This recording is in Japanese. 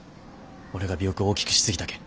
俺が尾翼を大きくしすぎたけん。